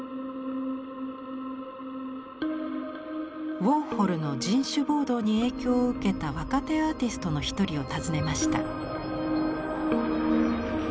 ウォーホルの「人種暴動」に影響を受けた若手アーティストの一人を訪ねました。